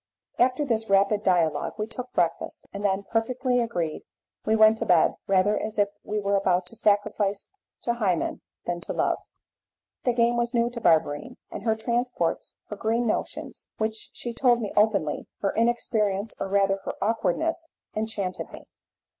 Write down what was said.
After this rapid dialogue we took breakfast, and then, perfectly agreed, we went to bed, rather as if we were about to sacrifice to Hymen than to love. The game was new to Barberine, and her transports, her green notions which she told me openly her inexperience, or rather her awkwardness, enchanted me.